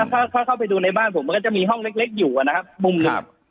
ถ้าเข้าไปดูในบ้านผมมันก็จะมีห้องเล็กอยู่นะครับมุมหนึ่ง